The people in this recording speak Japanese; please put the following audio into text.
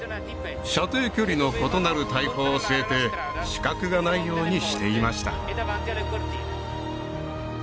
射程距離の異なる大砲を据えて死角がないようにしていました